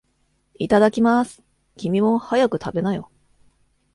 いただきまーす。君も、早く食べなよ。